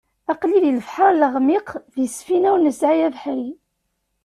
Aql-i di lebḥer leɣmiq, di ssfina ur nesɛi abeḥri.